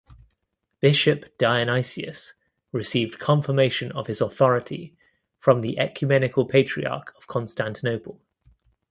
Bishop Dionysius received confirmation of his authority from the Ecumenical Patriarch of Constantinople.